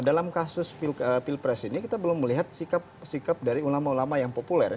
dalam kasus pilpres ini kita belum melihat sikap sikap dari ulama ulama yang populer